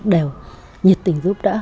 đều nhiệt tình giúp đỡ